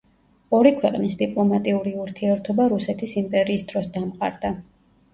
ორი ქვეყნის დიპლომატიური ურთიერთობა რუსეთის იმპერიის დროს დამყარდა.